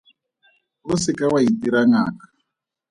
O se ka wa itira ngaka.